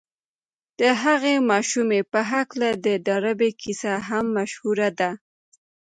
د هغې ماشومې په هکله د ډاربي کيسه هم مشهوره ده.